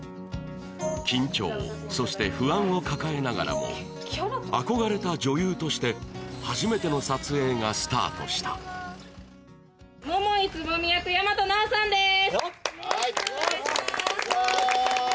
緊張そして不安を抱えながらも憧れた女優として初めての撮影がスタートした・桃井蕾未役大和奈央さんです